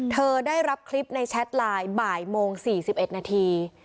ได้รับคลิปในแชทไลน์บ่ายโมง๔๑นาที